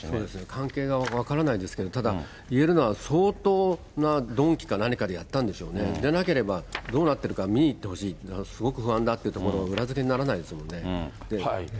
関係が分からないですけど、ただ、言えるのは相当な鈍器か何かでやったんでしょうね、でなければ、どうなってほしいって見に行ってくれって、すごく不安だってところ、裏付けにならないですもんね。